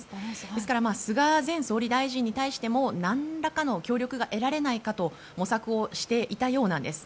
ですから菅前総理大臣に対しても何らかの協力が得られないかと模索をしていたようなんです。